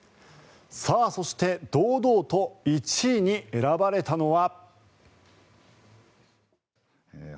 そして堂々と１位に選ばれたのは。